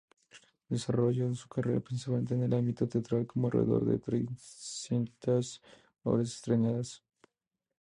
Desarrollo su carrera principalmente en el ámbito teatral, con alrededor de trescientas obras estrenadas.